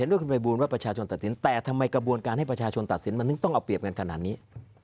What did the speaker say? ด้วยคุณภัยบูรณ์ว่าประชาชนตัดสินแต่ทำไมกระบวนการให้ประชาชนตัดสินมันถึงต้องเอาเปรียบกันขนาดนี้